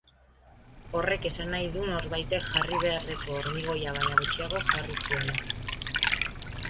Horrek esan nahi du norbaitek jarri beharreko ormigoia baina gutxiago jarri zuela.